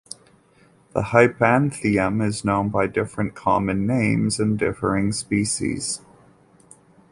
The hypanthium is known by different common names in differing species.